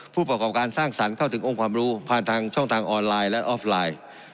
ผู้ประกอบการสร้างสรรค์เข้าถึงองค์ความรู้ผ่านทางช่องทางออนไลน์และออฟไลน์